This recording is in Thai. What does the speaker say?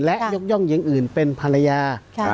และยกย่องหญิงอื่นเป็นภรรยา